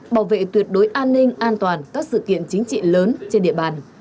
bảo vệ tuyệt đối an ninh an toàn các sự kiện chính trị lớn trên địa bàn